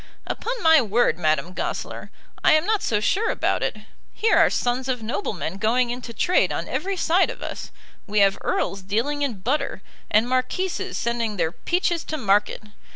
"Upon my word, Madame Goesler, I am not so sure about it. Here are sons of noblemen going into trade on every side of us. We have earls dealing in butter, and marquises sending their peaches to market.